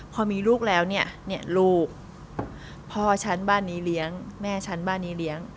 พอมีลูกแล้วเนี่ยลูกพ่อฉันบ้านนี้เลี้ยงแม่ฉันบ้านนี้เลี้ยง